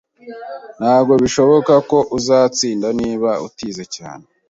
Ntabwo bishoboka ko uzatsinda niba utize cyane